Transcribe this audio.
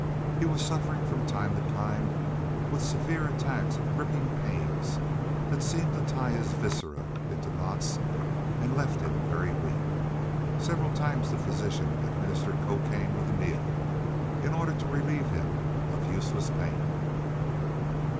He was suffering from time to time with severe attacks of griping pains that seemed to tie his viscera into knots, and left him very weak. Several times the physician administered cocaine with a needle in order to relieve him of useless pain.